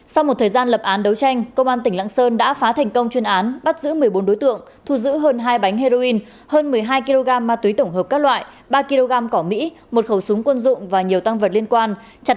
sau một thời gian lập án đấu tranh công an tỉnh lạng sơn đã phá thành công chuyên án bắt giữ một mươi bốn đối tượng thu giữ hơn hai bánh heroin hơn một mươi hai kg ma túy tổng hợp các loại ba kg cỏ mỹ một khẩu súng quân dụng và nhiều tăng vật liên quan